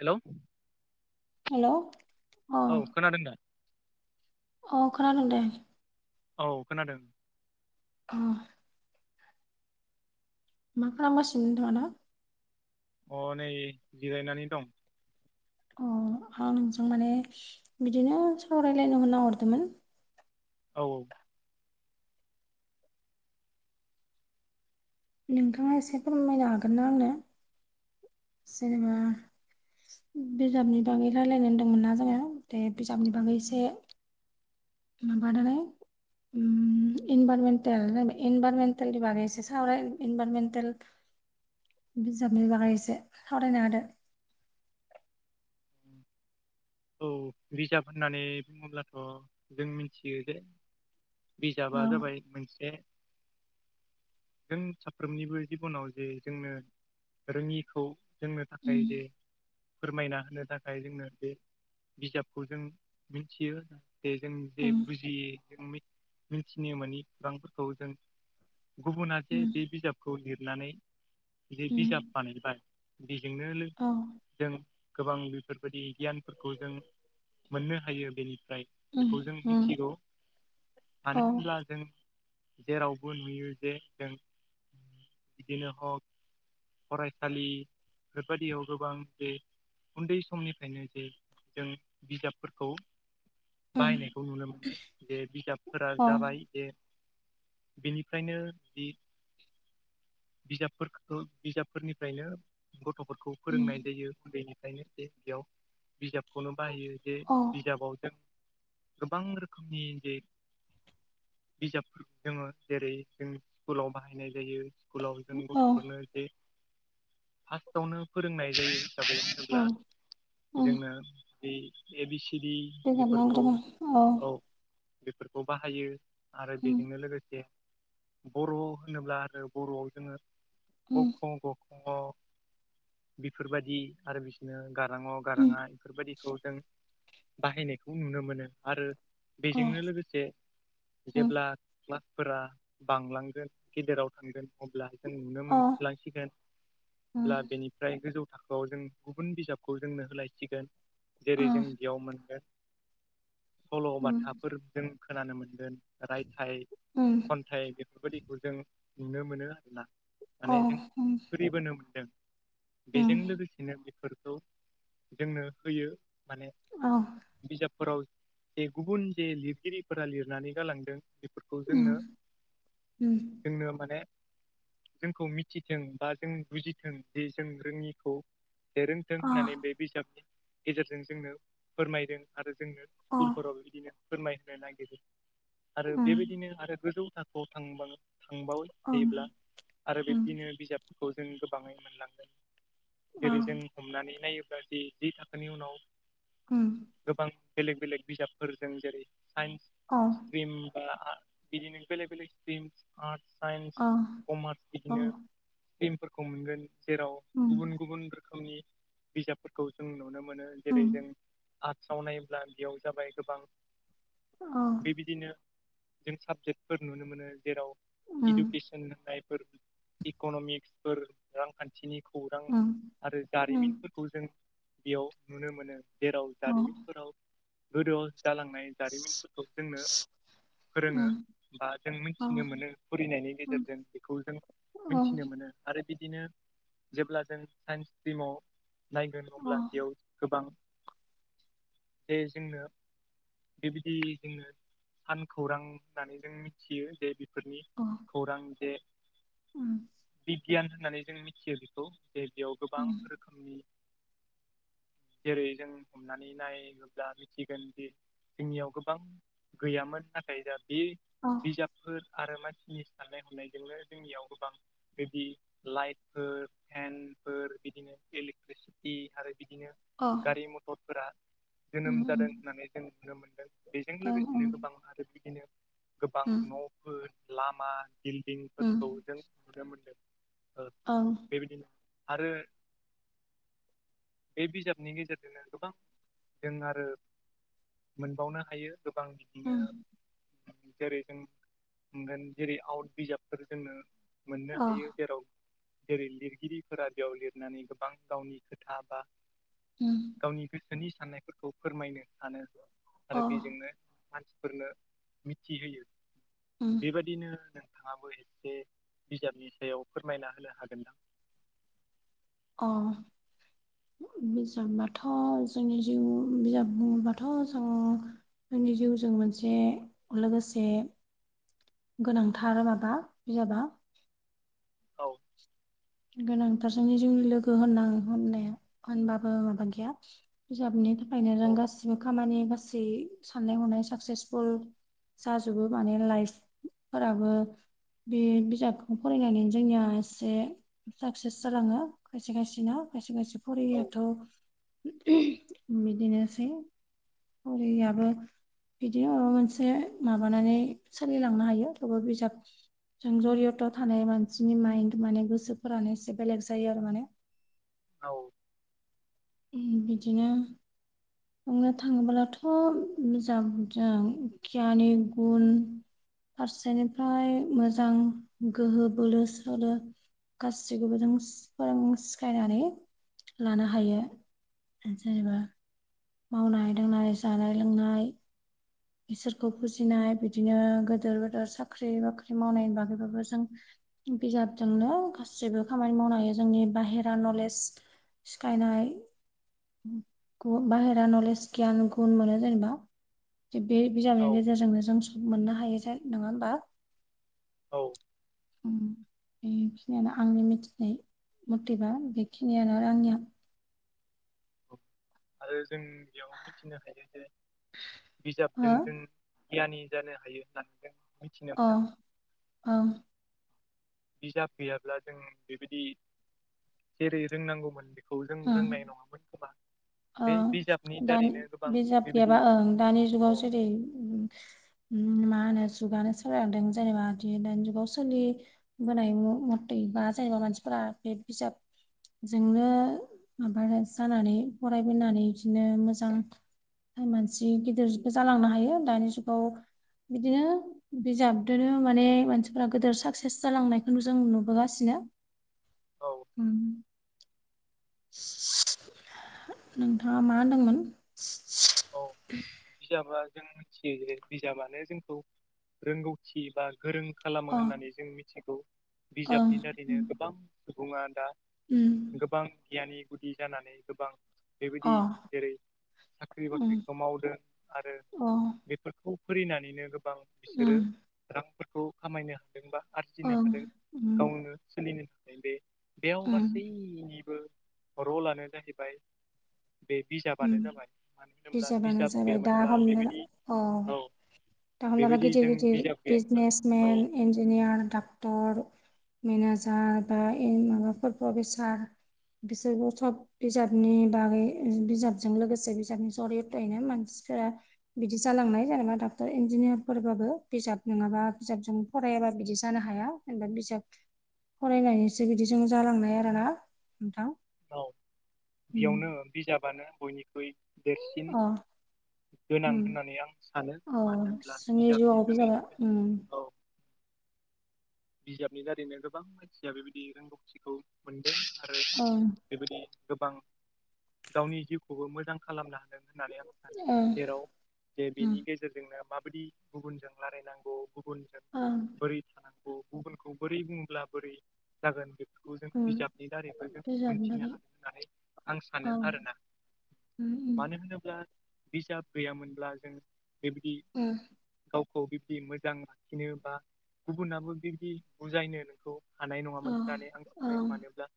Hello. Hello. औ खोनादों दा? अ खोनादों दे। औ खोनादों। अ। मा खालामगासिनो नोंथाङा दा? अ नै जिरायनानै दं। अ आं नोंजों माने बिदिनो सावरायलायनो होन्ना हरदोंमोन। औ औ। नोंथाङा एसे फोरमायनो हागोन ना आंनो जेनेबा बिजाबनि बागै रायलायनो होन्दोंमोनना जोङो दे बिजाबनि बागै एसे माबादानै ओम‌ इभारमेन्टेल इनभाइरमेन्टेलनि बागै एसे सावराय इनभाइरमेन्टेल बिजाबनि बागै एसे सावरायनो हादो। औ रिजार्भ होननानै बुङोब्लाथ' जों मिथियो जे बिजाबा औ जाबाय मोनसे जों साफ्रोमनिबो जिबनाव जे जोंनो रोंङिखौ जोंनो थाखाय उम जे फोरमायना होनो थाखाय जोंनो बे बिजाबखौ जों मिनथियो जे जों जे उम बुजियि जों मि मिथिनो मोननि खौरांफोरखौ जों गुबुना जे उम बे बिजाब खौ लिरनानै जे उम बिजाब बानायबाय बेजोंनो लो औ जों गोबां बेफोरबायदि गियान। फोरखौ जों मोननो हायो बेनिफ्राय उम बेखौ जों उम मिथिगौ मानो औ होनब्ला जों जेरावबो नुयो जे जों बिदिनो हक फरायसालि बेफोरबादियाव गोबां जे उन्दै समनिफ्रायनो जे जों बिजाबफोरखौ उम बाहायनायखौ नुनो मोनो जे बिजाबफोरा अ जाबाय जे बेनिफ्रायनो बे बिजाबफोरखौ बिजाबफोरनिफ्रायनो गथ'फोरखौ फोरोंनाय उम जायो उन्दैनिफ्रायनो जे बेयाव बिजाबखौनो बाहायो जे औ बिजाबाव जों गोबां रोखोमनि जे बिजाबफोरखौ जोंङो जेरै जों स्कुलाव बाहायनाय जायो स्कुलाव जों औ गथ'फोरनो जे फार्स्टआवनो फोरोंनाय जायो हिसाबै होनोब्ला उम उम जोङो बे। ए बि सि डि बेफोरखौ औ बेफोरखौ बाहायो आरो उम बेजोंनो लोगोसे बर' होनोब्ला आरो बर'आव जोंङो उम। ख ग ख बेफोरबायदि आरो बिसोरनो गारां अ गारां उम आ बेफोरबायदि खौ जों बाहायनायखौ नुनो मोनो आरो अ बेजोंनो लोगोसे उम जेब्ला क्लासफोरा बांलांगोन गेदेराव थांगोन अब्ला जों नुनो अ मोन बायसिगोन। उम अब्ला बेनिफ्राय गोजौ थाखोआव जों गुबुन बिजाबखौ जोंनो होलायसिगोन। अ जेरै जों बियाव मोनगोन। उम सल'बाथाफोर जों खोनानो मोनगोन रायथाइ उम खन नाथाय बेफोरबायदिखौ जों नुनो मोनो आरोना। अ माने जों उम फुरिबोनो मोनदों बेजों उम लोगोसेनो बेफोरखौ जोंनो होयो माने। अ बिजाबफोराव जे गुबुन जे लिरगिरिफोरा लिरनानै गालांदों बेफोरखौ उम जोंनो उम जोंनो माने। जोंखौ मिथिथों बा जों बुजिथों जे जों रोङिखौ जे रोंथों अ होननानै बे बिजाबनि गेजेरजों जोंनो फोरमायदों आरो जोंनो अ स्कुलफोराव बेबिदिनो फोरमायहोनो नागिरो आरो उम बेबायदिनो आरो गोजौ थाख औ थांबांङो थांबावै ओं आरो उम बिब्दिनो बिजाबफोरखौ जों गोबाङै मोनलांगोन अ जेरै जों हमनानै नायोब्ला दि जि थाखोनि उनाव उम गोबां बेलेग बेलेग बिजाबफोर दों जेरै साइन्स अ स्ट्रिम बा आं बिदिनो बेलेक बेलेक स्ट्रिम आर्टस साइन्स अ कमार्स अ बिदिनो टिमफोरखौ मोनगोन जेराव उम गुबुन गुबुन रोखोमनि बिजाब फोरखौ जों नुनो मोनो जेरै उम जों आर्ट्साव नायोब्ला बेयाव जाबाय गोबां अ बे‌ बिदिनो जों साबजेक्टफोर नुनो मोनो जेराव उम इडुकेसन होननायफोर इकनमिक्सफोर रांखान्थिनि खौरां उम आरो उम जारिमिनफोरखौ जों बेयाव नुनो मोनो जेराव अ जारिमिनफोराव गोदोआव जालांनाय जारिमिनफोरखौ जोंनो फोरोङो उम बा जों अ मिथिनो मोनो फरिनायनि उम गेजेरजों खौ जों अ मिथिनो मोनो आरो बिदिनो जेब्ला जों साइन्स स्ट्रिमाव नायगोन अब्ला अ बेयाव गोबां जे जोंनो बे बेदि जोङो सान खौरां होननानै जों मिथियो जे बि बेफोरनि अ खौरां जे उम गियान होननानै जों मिथियो बेखौ जे बेयाव गोबां उम रोखोम खोमनि जेरै जों हमनानै नायोब्ला मिथिगोन दि जोंनियाव गोबां गैयामोन नाथाय दा बे अ बिजाबफोर आरो मानसिनि साननाय हनायजोंनो जोंनियाव गोबां बेदि लाइटफोर फेनफोर बिदिनो इलेक्ट्रिसिटि आरो बिदिनो गारि मथरफोरा जोनोम जादों होननानै जों नुनो मोनदों। बेजों लोगोसेनो गोबां आरो बिदिनो गोबां न'फोर लामा बिल्डिंफोरखौ जों नुनो मोनदों ओ औ बेबायदिनो आरो बे बिजाबनि गेजेरजोंनो गोबां जों आरो मोनबावनो हायो गोबां बिदिनो जेरै जों मोनगोन जेरै आउट बिजाबफोर जोंनो मोननो हायो जेराव जेरै लिरगिरिफोरा बेयाव लिरनानै गोबां गावनि खोथा बा गावनि गोसोनि साननायफोरखौ फोरमायनो सानो। आरो बेजोंनो मानसिफोरनो मिथिहोयो। उम बेबायदिनो नोंथाङाबो एसे बिजाबनि सायाव फोरमायना होनो हागोनदां। अ बिजाबाथ' जोंनि जिउ बिजाब बुङोबाथ' जोङो जोंनि जिउजों मोनसे लोगोसे गोनांथार माबा बिजाबा। औ गोनांथार जोंनि जिउनि लोगो होना होननाया होनबाबो माबा गैया बिजाबनि थाखायनो जों औ गासिबो खामानि गासै साननाय हनाय साक्सेसफुल जाजोबो माने लाइसफोराबो बे बिजाबखौ फरायनानै जोंनिया एसे साक्सेस जालाङो खायसे खायसेना खायसे खायसे औ फरियियाथ' बिदिनोसै हरियाबो बिदिनो माबा मोनसे माबानानै सोलिलांनो हायो थेवबो बिजाब जों जरियथ' थानाय मानसिनि माइन्द माने गोसोफोरानो एसे बेलेग जायो आरो माने। औ बिदिनो बुंंनो थाङोब्लाथ' बिजाबजों गियानि गुन फारसेनिफ्राय मोजां गोहो बोलो सोलो गासैखौबो जों फोरों सिखायनानै लानो हायो। जेनेबा मावनाय दांनाय जानाय लोंनाय इसोरखौ फुजिनाय बिदिनो गोदोर गोदोर साख्रि बाख्रि मावनायनि बागैबाबो जों बिजाबजोंनो गासैबो खामानि मावनो हायो जोंनि बाहेरा नलेज सिखायनाय बाहेरा नलेज गियान गुन मोनो जेनेबा। बे बिजाबनि औ गेजेरजोंनो जों सम मोननो हायो जे नङा होमबा? औ उम बेखिनियानो आंनि मिथिनाय मतिबा बेखिनियानो आंनिया। औ आरो जों बेयाव मिथिनो हायो जे बिजाबजों हो जों गियानि जानो हायो होननानैनो औ औ बिजाब गैयाब्ला जों बेबायदि जेरै रोंनांगौमोन खौ जों रोंनाय नङामोन खोमा ओ बे बिजाबनि दानि दारैनो गोबां बिजाब बेबायदि गैयाबा ओं दानि जुगाव औ जेरै मा होनो जुगानो सोलायलांदों जेनेबा दि दानि जुगाव सोलि होनाय मथै बा जेनबा मानसिफोरा बे बिजाबजोंनो माबा जानानै फरायबोनानै बिदिनो मोजां मानसि गिदिरखौ जालांनो हायो दानि जुगाव बिदिनो बिजाबदनो माने मानसिफोरा्रा गोदिर साक्सेस जालांनायखौनो जों नुबोगासिनो [inaudible] औ उम नोंथाङा मा होनदोंमोन औ बिजाबा जों मिथियो जे बिजाबानो जोंखौ रोंगौथि बा गोरों खालामो अ होननानै जों मिथिगौ ओं बिजाबनि दारैनो उम गोबां सुबुङा दा उम गोबां गियानि गुदि जानानै गोबां अ बेबायदि जेरै साख्रि उम बाख्रिखौ मावदों आरो अ बेफोरखौ फरायनानैनो गोबां उम बिसोरो रांफोरखौ खामायनो हादों बा आरजिनो ओं हादों उम गावनो सोलिनो थाखाय बे बेयाव उम गासैनिबो रलानो जाहैबाय बे उम बिजाबानो जाबाय मानो होनोब्ला बिजाबानो बिजाब जाबाय दा गैयामोनब्ला हमना ला बेबायदि औ [inaudible] दा हमनाला गिदिर जों गिदिर बिजाब गैयामोन औ बिजनेसमेन इन्जिनियार डाक्टर मेनेजार बा ए माबाफोर प्रफेसार बिसोरबो सब बिजाबनि बागै बिजाबजों लोगोसे बिजाबनि सरिथयनो मानसिफोरा बिदि जालांनाय जेनेबा दा डक्टर इन्जिनियारफोरबाबो बिजाब नङाबा बिजाबजों फरायाबा बिदि जानो हाया जेनबा बिजाब फरायनायनिसो बिदिजों जालांनाय आरोना नोंथां औ उम बेयावनो बिजाबानो बयनिख्रुइ देरसिन। अ गोनां उम होननानै आं सानो अ मानो होनब्ला जोंनि जिउआव बिजाबनि बिजाबा जुनैनो जों उम औ बिजाबनि दारैनो गोबां मानसिया बेबायदि रोंगौथिखौ मोनदों आरो ओं बेबायदि गोबां गावनि जिउखौबो मोजां खालामनो हादों होननानै आं सानो ओं जेराव जे उम बेनि गेजेरजोंनो माबायदि गुबुनजों रायलायनांगौ गुबुनजों ओं बोरै थानांगौ गुबुनखौ बोरै बुंब्ला बोरै जागोन बेखौ बेखौ जों उम बिजाबनि दारैबो जों मोनथिनो बिजाबनि हादों होननानै आं थाखाय सानो ओं आरोना। उम उम मानो होनोब्ला बिजाब गैयामोनब्ला जों बेबायदि उम गावखौ बिबदि मोजां लाखिनो बा गुबुनाबो बिब्दि बुजायनो नोंखौ हानाय नङामोन होननानै आं अ सानो ओं मानोब्ला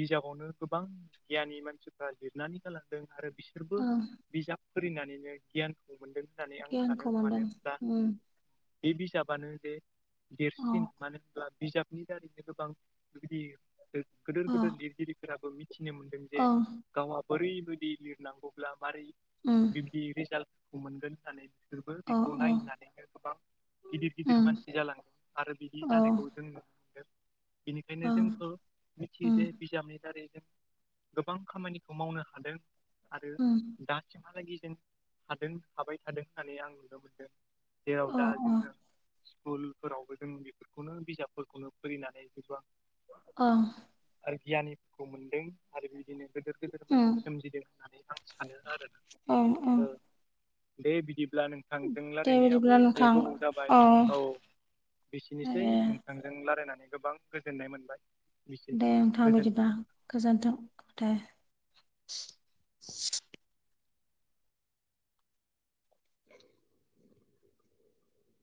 बिजाबावनो गोबां गियााननि मानसिफ्रा लिरनानै गालांदों आरो बिसोरबो ओं बिजाब फोंनानैनो गियानखौ मोनदों होननानै आं सानो गियानखौ मोनदों मानो होनब्ला उम बे बिजाबानो जे अ देरसिन मानो होनब्ला बिजाबनि दारैनो गोबां बिदि गिदिर अ गिदिर लिरगिरिफोराबो मि मिथिनो मोन्दों जे ओं गावहा बोरैबायदि लिरनांगौब्ला मारै उम बिब्दि रिजाल्ट मोनगोन होन सानै बिसोरबो अ बेखौ नायनानैनो गोबां गिदिर गिदिर उम मानसि जालाङो आरो बिदि औ जानायखौ जों नुनो मोनो बेनिखायनो ओं जोंखौ मिथियो उम जे बिजाबनि दारै जों गोबां खामानिखौ मावनो हादों आरो उम दा सिमहालागि जेन हादों हाबाय थादों होननानै आं नुनो मोनदों। जेराव अ दा जोङो स्कुलफोरावबो जोङो बे बेनो बिजाबफोरखौनो फैनानै गोबां अ आरो गियानिखौ मोनदों आरो बिदिनो गिदिर गिदीर उम मानसि सोमजिदों होननानै आं सानो ओं ओं आरोना औ दे बिदिब्ला नों नोंथांजों दे रायज्लायनायाबो बिदिब्ला एसे नोंथां गोबाव जाबाय अ औ। बिनोसै ए नोंथांजों रायलायनानै गोबां गोजोननाय मोनबाय। बिसै दे नोंथां बिदिबा गोजोन्थों गोजोन्थों दे।